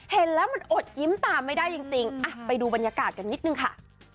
เห็นแล้วมันอดยิ้มตามไม่ได้จริงไปดูบรรยากาศกันนิดนึงค่ะ